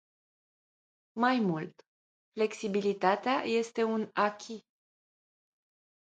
Mai mult, flexibilitatea este un "acquis”.